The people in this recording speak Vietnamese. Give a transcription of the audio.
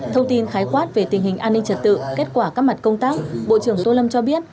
thông tin khái quát về tình hình an ninh trật tự kết quả các mặt công tác bộ trưởng tô lâm cho biết